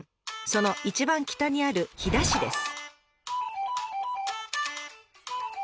その一番北にある飛騨市です。